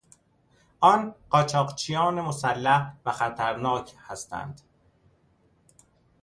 آن قاچاقچیان مسلح و خطرناک هستند.